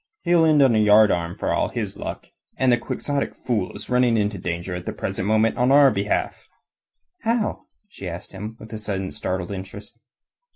He'll end on a yardarm for all his luck. And the quixotic fool is running into danger at the present moment on our behalf." "How?" she asked him with a sudden startled interest.